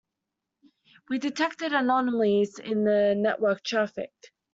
We detected anomalies in the network traffic.